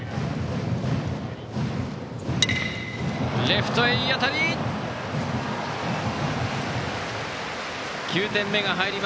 レフトへいい当たり！